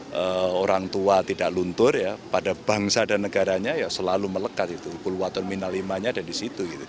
ya orang tua tidak luntur ya pada bangsa dan negaranya ya selalu melekat gitu puluha terminal limanya ada disitu gitu